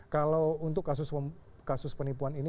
kalau untuk kasus penipuan ini